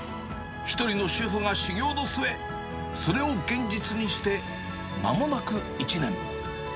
一人の主婦が修業の末、それを現実にして、まもなく１年。